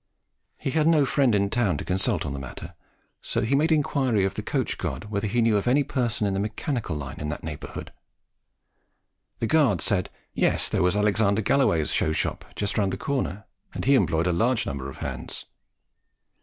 He had no friend in town to consult on the matter, so he made inquiry of the coach guard whether he knew of any person in the mechanical line in that neighbourhood. The guard said, "Yes; there was Alexander Galloway's show shop, just round the corner, and he employed a large number of hands."